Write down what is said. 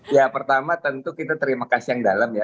ya pertama tentu kita terima kasih yang dalam ya